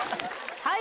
はい！